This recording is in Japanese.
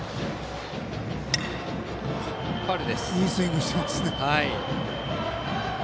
いいスイングしてますね。